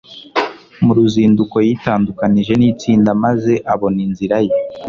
mu ruzinduko yitandukanije nitsinda maze abona inzira ye